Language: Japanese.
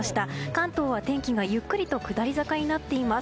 関東は天気がゆっくりと下り坂になっています。